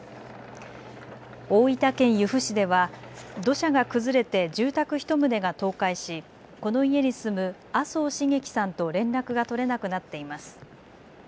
大分県由布市では土砂が崩れて住宅１棟が倒壊し、この家に住む麻生繁喜さんと連絡が取れなくなっています。